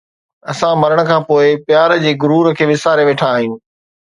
اسان مرڻ کان پوءِ پيار جي غرور کي وساري ويٺا آهيون